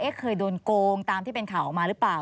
เคยโดนโกงตามที่เป็นข่าวออกมาหรือเปล่า